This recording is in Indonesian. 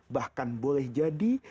bahkan boleh jadi